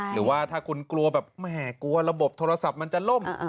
หรือว่าถ้าคุณกลัวแบบแหมกลัวระบบโทรศัพท์มันจะล่ม